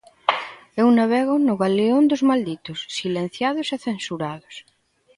Eu navego no galeón dos malditos, silenciados e censurados.